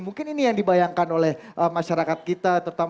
mungkin ini yang dibayangkan oleh masyarakat kita